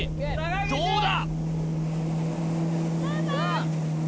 どうだ